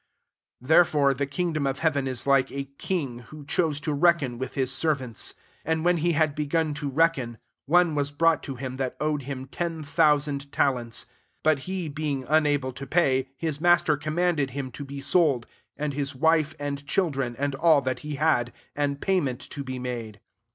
23 " Therefore the kingdom of heaven is like a king, who chose to reckon with his ser vants. 24 And when he had begun to reckon, one was brought to him, that owed hira ten thousand talents.* 25 But he being unable to pay, his mas. ter commanded him to be sold, and his wife and children, and all that he had; and payment to be made.